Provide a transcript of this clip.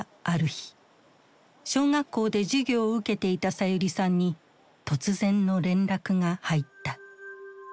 小学校で授業を受けていたさゆりさんに突然の連絡が入った。